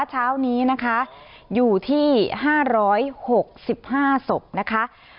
เช้านี้นะคะอยู่ที่๕๖๕ศพนะคะ